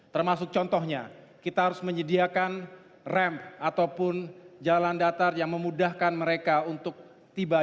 termasuk contohnya kita harus menyediakan rem ataupun jalan datar yang memudahkan mereka untuk tiba